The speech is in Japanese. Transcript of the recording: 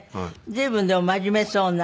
随分でも真面目そうな。